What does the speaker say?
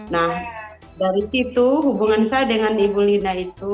nah dari situ hubungan saya dengan ibu lina itu